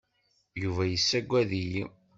Yuba yessaggad-iyi.